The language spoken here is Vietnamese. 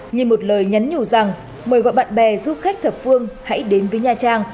nhìn một lời nhắn nhủ rằng mời gọi bạn bè du khách thập phương hãy đến với nha trang